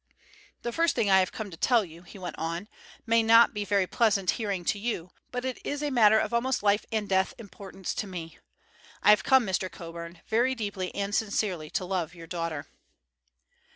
"The first thing I have to tell you," he went on, "may not be very pleasant hearing to you, but it is a matter of almost life and death importance to me. I have come, Mr. Coburn, very deeply and sincerely to love your daughter."